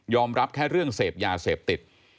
รับแค่เรื่องเสพยาเสพติด